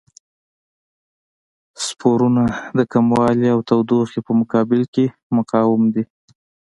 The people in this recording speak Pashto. سپورونه د کموالي او تودوخې په مقابل کې مقاوم دي.